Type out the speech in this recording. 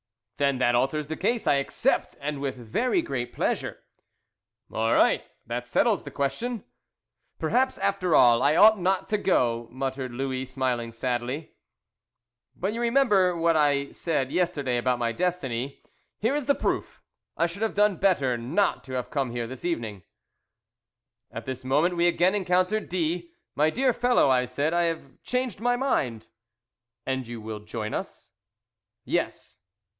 "Then that alters the case. I accept, and with very great pleasure." "All right. That settles the question." "Perhaps, after all, I ought not to go," muttered Louis, smiling sadly. "But you remember what I said yesterday about my destiny. Here is the proof. I should have done better not to have come here this evening." At this moment we again encountered D . "My dear fellow," I said, "I have changed my mind!" "And you will join us?" "Yes."